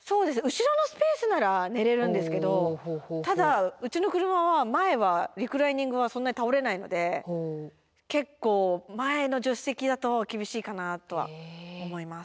後ろのスペースなら寝れるんですけどただうちの車は前はリクライニングはそんなに倒れないので結構前の助手席だと厳しいかなとは思います。